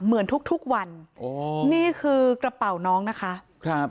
เหมือนทุกวันนี่คือกระเป๋าน้องนะคะ